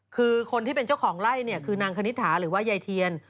คือคนที่เป็นเจ้าของไล่เนี่ยคือนางคณิตหาหรือว่ายายเทียน